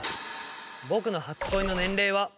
僕の初恋の年齢は。